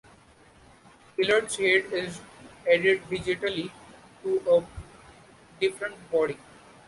Elliott's head is added digitally to a different body.